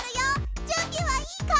準備はいいか！